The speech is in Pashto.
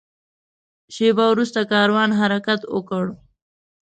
شېبه وروسته کاروان حرکت وکړ.